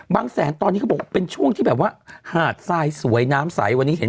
แสนตอนนี้เขาบอกว่าเป็นช่วงที่แบบว่าหาดทรายสวยน้ำใสวันนี้เห็น